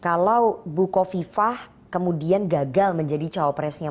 oke kalau buko viva kemudian gagal menjadi cowok presiden apa itu